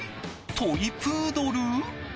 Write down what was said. トイプードル？